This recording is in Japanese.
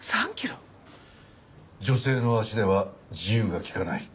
女性の足では自由が利かない。